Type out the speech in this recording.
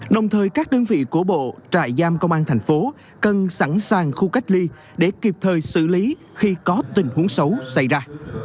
đồng thời các đơn vị của bộ trại giam công an thành phố cần sẵn sàng khu cách ly để kịp thời xử lý khi có tình huống xấu xảy ra